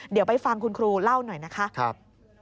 เดี๋ยวไปฟังคุณครูเล่าหน่อยนะคะ